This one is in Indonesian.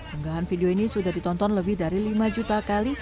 unggahan video ini sudah ditonton lebih dari lima juta kali